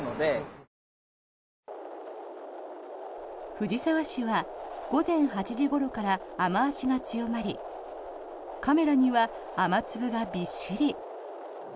藤沢市は午前８時ごろから雨脚が強まりカメラには雨粒がびっしり。